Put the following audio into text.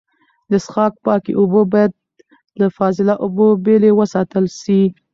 د څښاک پاکې اوبه باید له فاضله اوبو بېلې وساتل سي.